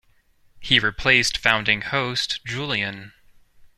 He replaced founding host Julian.